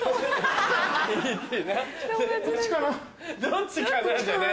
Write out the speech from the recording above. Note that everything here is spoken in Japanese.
どっちかな？